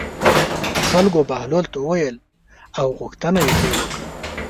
خلکو بهلول ته وویل او غوښتنه یې ترې وکړه.